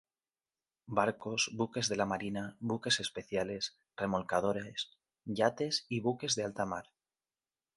Barcos, buques de la marina, buques especiales, remolcadores, yates y buques de alta mar.